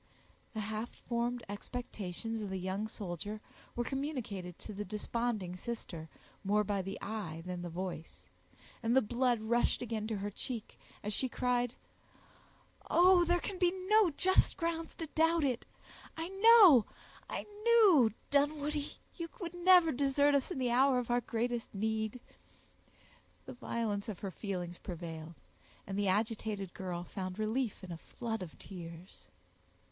The half formed expectations of the young soldier were communicated to the desponding sister, more by the eye than the voice, and the blood rushed again to her cheek, as she cried,— "Oh, there can be no just grounds to doubt it. I know—I knew—Dunwoodie, you would never desert us in the hour of our greatest need!" The violence of her feelings prevailed, and the agitated girl found relief in a flood of tears.